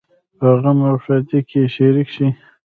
په غم او ښادۍ کې شریک شئ